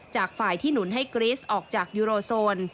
จากฝ่ายที่หนุนให้กริสออกจากยูโรโซน